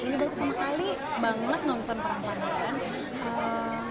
ini baru pertama kali banget nonton perang pandan